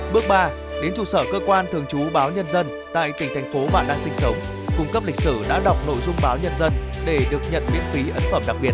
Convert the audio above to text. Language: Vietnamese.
bước ba đến trụ sở cơ quan thường trú báo nhân dân tại tỉnh thành phố bạn đang sinh sống cung cấp lịch sử đã đọc nội dung báo nhân dân để được nhận miễn phí ấn phẩm đặc biệt